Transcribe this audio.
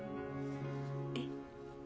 えっ？